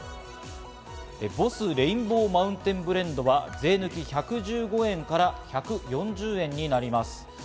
「ボスレインボーマウンテンブレンド」は税抜き１１５円から１４０円になります。